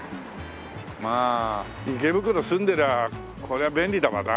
まあ池袋住んでりゃこりゃ便利だわな。